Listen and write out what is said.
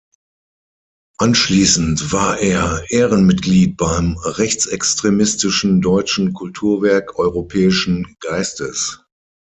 Anschließend war er Ehrenmitglied beim rechtsextremistischen Deutschen Kulturwerk Europäischen Geistes.